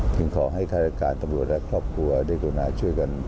ขอให้ฆาตการตำรวจและครอบครัวได้กรุณาช่วยกัน